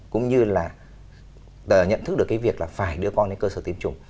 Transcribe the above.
cũng như là nhận thức được cái việc là phải đưa con đến cơ sở tiêm chủng